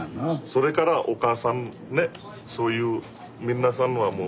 それからお母さんねそういうみんなさんのはもうね女性の。